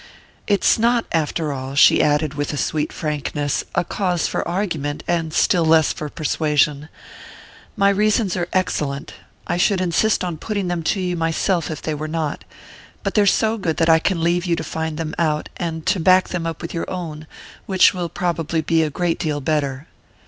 "It's not, after all," she added, with a sweet frankness, "a case for argument, and still less for persuasion. My reasons are excellent I should insist on putting them to you myself if they were not! But they're so good that I can leave you to find them out and to back them up with your own, which will probably be a great deal better."